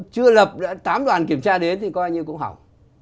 chưa lập tám đoàn kiểm tra đến thì coi như cũng hỏng